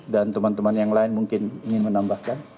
dan teman teman yang lain mungkin ingin menambahkan